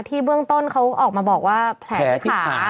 เบื้องต้นเขาออกมาบอกว่าแผลที่ขา